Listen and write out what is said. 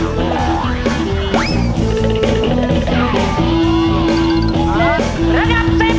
เออพี่แป๊บระดับสิบ